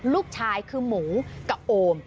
ลูกชายคือหมูกับโอม